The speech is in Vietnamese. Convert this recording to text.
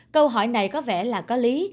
câu hỏi này có vẻ là có lý